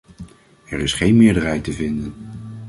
Er is geen meerderheid te vinden.